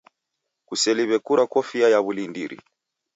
Kuseliwe kurwa kofia ya wulindiri.